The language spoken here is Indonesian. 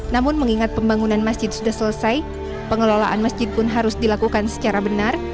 namun mengingat pembangunan masjid sudah selesai pengelolaan masjid pun harus dilakukan secara benar